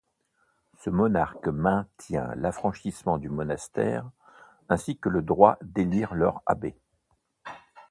Ce monarque maintient l'affranchissement du monastère ainsi que le droit d'élire leur abbé.